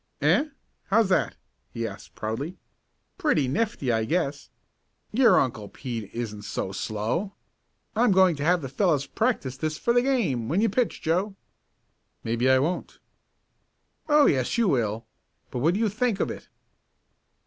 "Eh? How's that?" he asked proudly. "Pretty nifty I guess! Your Uncle Pete isn't so slow. I'm going to have the fellows practice this for the game, when you pitch, Joe." "Maybe I won't." "Oh, yes you will. But what do you think of it?"